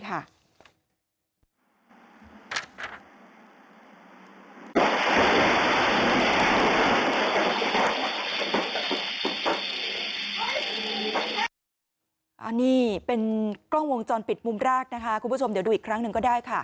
อันนี้เป็นกล้องวงจรปิดมุมแรกนะคะคุณผู้ชมเดี๋ยวดูอีกครั้งหนึ่งก็ได้ค่ะ